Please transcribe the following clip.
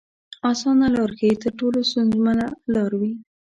اسانه لار ښايي تر ټولو ستونزمنه لار وي.